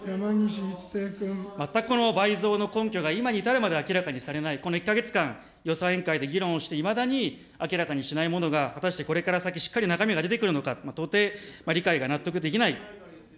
全くこの倍増の根拠が今に至るまで明らかにされない、この１か月間、予算委員会で議論をして、いまだに明らかにしないものが、果たしてこれから先しっかり中身が出てくるのか、到底理解が納得できない。